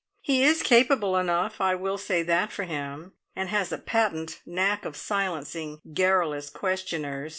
He is capable enough, I will say that for him, and has a patent knack of silencing garrulous questioners.